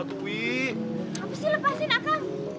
apa sih lepasin akang